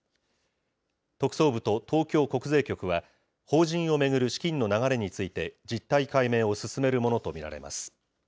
特捜部と東京国税局は、法人を巡る資金の流れについて、実態解明を進めるものと見られます。